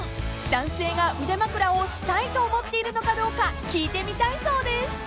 ［男性が腕まくらをしたいと思っているのかどうか聞いてみたいそうです］